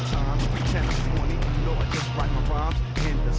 kamu orang gila tasya berhenti